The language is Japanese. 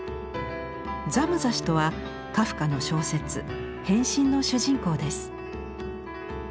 「ザムザ氏」とはカフカの小説「変身」の主人公です。